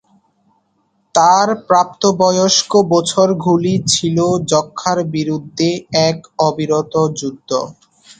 তার প্রাপ্তবয়স্ক বছরগুলি ছিল যক্ষ্মার বিরুদ্ধে এক অবিরত যুদ্ধ।